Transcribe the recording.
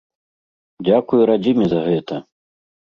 Дзякуй радзіме за гэта!